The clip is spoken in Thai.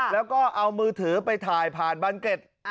แล้วก็เอามือถือไปถ่ายผ่านบานเกร็ด